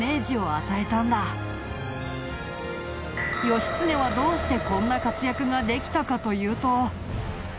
義経はどうしてこんな活躍ができたかというと。